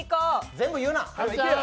全部言うな！